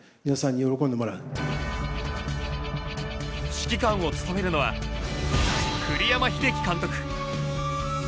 指揮官を務めるのは栗山英樹監督。